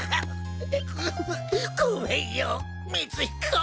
ごごめんよ光彦。